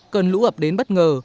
cần lũ ập đến bất ngờ